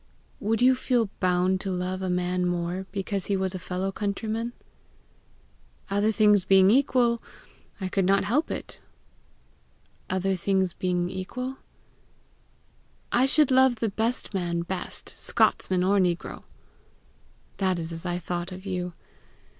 "Would you feel bound to love a man more because he was a fellow countryman?" "Other things being equal, I could not help it." "Other things not being equal, ?" "I should love the best man best Scotsman or negro." "That is as I thought of you.